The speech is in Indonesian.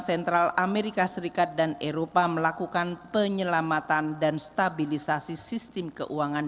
sentral amerika serikat dan eropa melakukan penyelamatan dan stabilisasi sistem keuangan